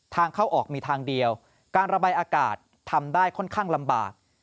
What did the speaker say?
ทางเข้าออกมีทางเดียวการระบายอากาศทำได้ค่อนข้างลำบาก